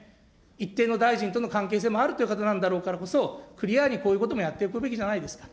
一定の大臣との関係性もあるという方なんだからこそ、クリアにこういうこともやっていくべきではありませんか。